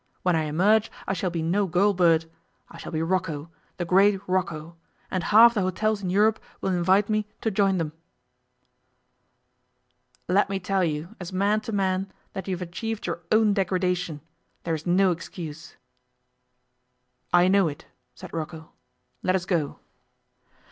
When I emerge I shall be no gaol bird. I shall be Rocco the great Rocco. And half the hotels in Europe will invite me to join them.' 'Let me tell you, as man to man, that you have achieved your own degradation. There is no excuse.' 'I know it,' said Rocco. 'Let us go.